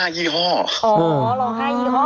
อ๋อหรอ๕ยี่ห้อเลย